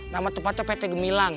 nama tempatnya pt gemilang